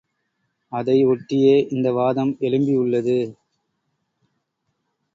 அதை ஒட்டியே இந்த வாதம் எழும்பி உள்ளது.